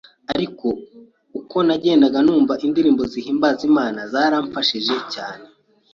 Ariko uko nagendaga numva indirimbo zihimbaza Imana zaramfashaga cyane.